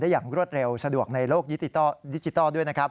ได้อย่างรวดเร็วสะดวกในโลกดิจิทัลด้วย